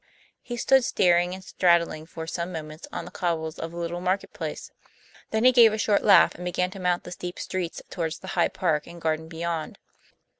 He stood staring and straddling for some moments on the cobbles of the little market place; then he gave a short laugh and began to mount the steep streets toward the high park and garden beyond.